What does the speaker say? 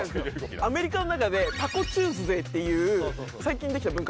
アメリカの中で「タコチューズデー」っていう最近できた文化があって。